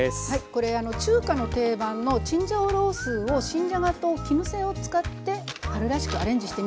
これ中華の定番のチンジャオロースーを新じゃがと絹さやを使って春らしくアレンジしてみました。